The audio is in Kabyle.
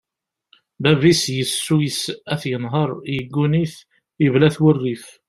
Bab-is yessuyes ad t-yenher, yegguni-t, yebla-t wurrif.